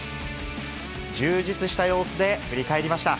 充実した様子で振り返りました。